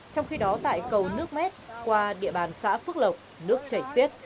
trong khi đó tại cầu nước mét qua địa bàn xã phước lộc nước chảy xiết